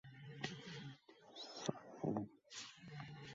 Bovasi shunday edi, otasi shunday edi, bolasi-da shunday bo‘ladi- da.